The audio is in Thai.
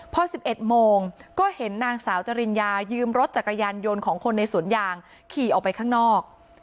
พอ๑๑โมงก็เห็นนางสาวจริญญายืมรถจักรยานยนต์ของคนในสวนยางขี่ออกไปข้างนอก